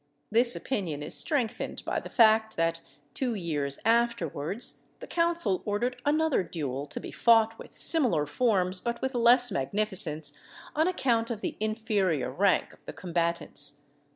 This opinion is strengthened by the fact, that, two years afterwards, the council ordered another duel to be fought with similar forms, but with less magnificence, on account of the inferior rank of the combatants.